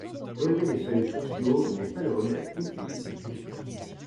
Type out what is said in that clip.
Relever les seuils sociaux n’est pas le remède à toutes les difficultés.